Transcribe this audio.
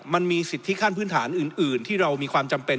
มันมีสิทธิขั้นพื้นฐานอื่นที่เรามีความจำเป็น